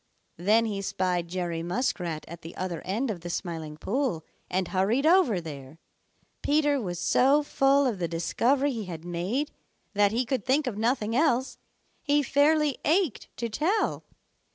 Then he spied Jerry Muskrat at the other end of the Smiling Pool and hurried over there. Peter was so full of the discovery he had made that he could think of nothing else. He fairly ached to tell.